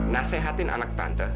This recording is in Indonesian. nasehatin anak tante